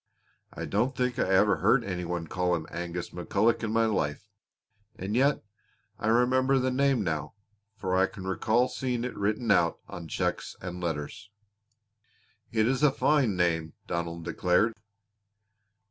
I don't think I ever heard any one call him Angus McCulloch in my life. And yet I remember the name now, for I can recall seeing it written out on checks and letters." "It is a fine name," Donald declared.